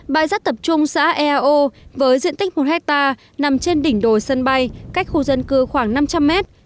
bãi rác tập trung xã eao với diện tích một hectare nằm trên đỉnh đồi sân bay cách khu dân cư khoảng năm trăm linh mét